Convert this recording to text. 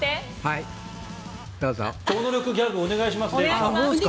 超能力ギャグお願いします。